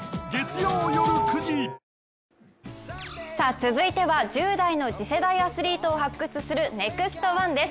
続いては１０代の次世代アスリートを発掘する「ＮＥＸＴ☆１」です。